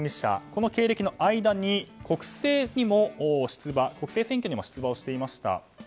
この経歴の間に国政選挙にも出馬していました。